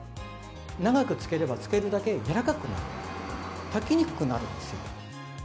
長くつければつけるだけ軟らかくなる、炊きにくくなるんですよ。